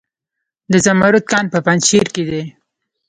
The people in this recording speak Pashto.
د زمرد کان په پنجشیر کې دی